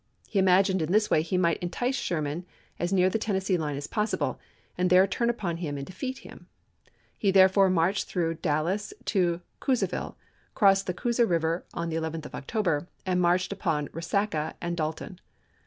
He imagined in this way he might entice Sherman as near the Tennessee line as possible, and there turn upon him and defeat him. He therefore marched through Dallas to Coosaville, crossed the Coosa River on the 11th of October, and marched upon Resaca and Dalton.